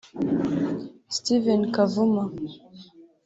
Steven Kavuma